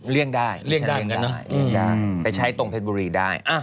เลี่ยงได้ไปใช้ตรงเพชรบุรีได้